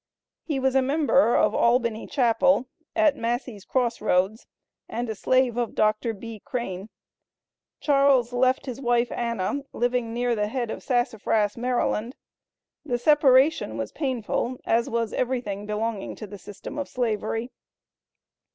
He was a member of "Albany Chapel," at Massey's Cross Roads, and a slave of Dr. B. Crain. Charles left his wife Anna, living near the head of Sassafras, Md. The separation was painful, as was everything belonging to the system of Slavery.